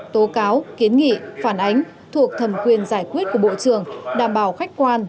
tố cáo kiến nghị phản ánh thuộc thẩm quyền giải quyết của bộ trưởng đảm bảo khách quan